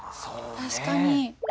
確かに。